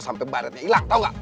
sampai baratnya hilang tau gak